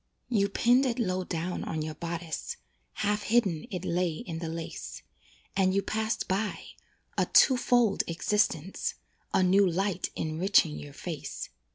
You pinned it low down on your bodice, Half hidden it lay in the lace, And you passed by "a two fold existence," A new light enriching your face.